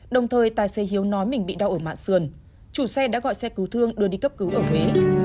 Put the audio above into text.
đồng thời tài xế hiếu nói mình bị đau ở mạng sườn chủ xe đã gọi xe cứu thương đưa đi cấp cứu ở huế